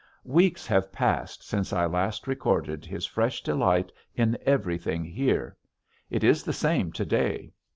Weeks have passed since I last recorded his fresh delight in everything here. It is the same to day.